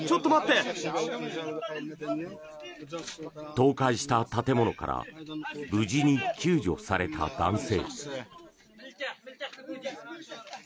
倒壊した建物から無事に救助された男性。